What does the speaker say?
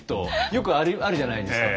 よくあるじゃないですか